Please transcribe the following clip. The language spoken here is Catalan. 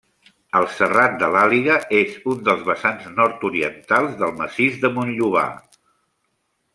El Serrat de l'Àliga és un dels vessants nord-orientals del massís de Montllobar.